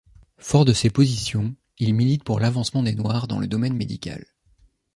Fort de ces positions, il milite pour l’avancement des Noirs dans le domaine médical.